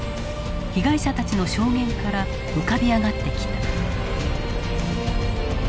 被害者たちの証言から浮かび上がってきた。